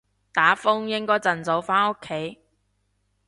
打風應該盡早返屋企